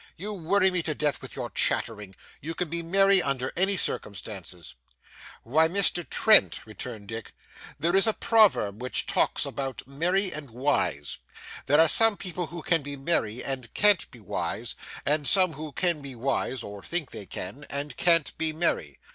'You worry me to death with your chattering. You can be merry under any circumstances.' 'Why, Mr Trent,' returned Dick, 'there is a proverb which talks about being merry and wise. There are some people who can be merry and can't be wise, and some who can be wise (or think they can) and can't be merry.